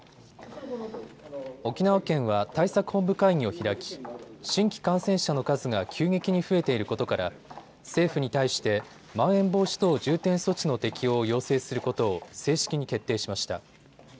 沖縄県は対策本部会議を開き新規感染者の数が急激に増えていることから政府に対してまん延防止等重点措置の適用を要請することを正式に決定しました。